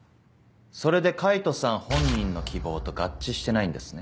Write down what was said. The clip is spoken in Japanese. それで海斗さん本人の希望と合致してないんですね。